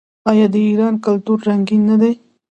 آیا د ایران کلتور رنګین نه دی؟